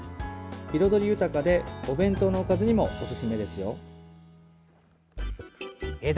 彩り豊かでお弁当のおかずにもおすすめですよ。